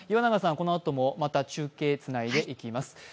このあとも中継つないでいきます。